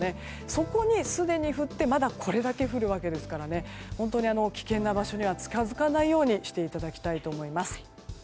そこにすでに降ってまだこれだけ降るわけですから本当に危険な場所には近づかないようにしていただきたいです。